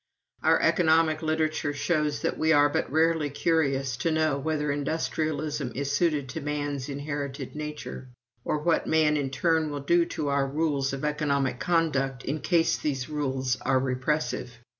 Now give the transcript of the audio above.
Our economic literature shows that we are but rarely curious to know whether industrialism is suited to man's inherited nature, or what man in turn will do to our rules of economic conduct in case these rules are repressive.